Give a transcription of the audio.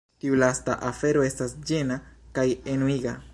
Tiu lasta afero estas ĝena kaj enuiga.